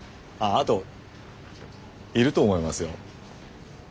ああといると思いますよ。